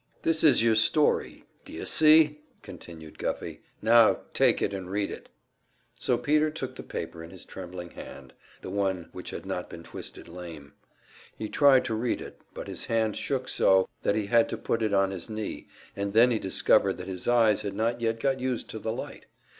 "This is your story, d'you see?" continued Guffey. "Now take it and read it." So Peter took the paper in his trembling hand, the one which had not been twisted lame. He tried to read it, but his hand shook so that he had to put it on his knee, and then he discovered that his eyes had not yet got used to the light.